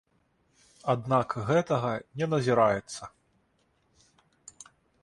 Аднак гэтага не назіраецца.